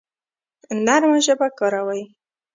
نرمه ژبه کاروئ